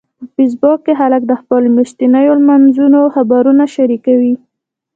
په فېسبوک کې خلک د خپلو میاشتنيو لمانځنو خبرونه شریکوي